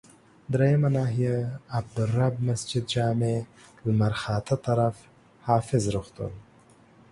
دریمه ناحيه، عبدالرب مسجدجامع لمرخاته طرف، حافظ روغتون.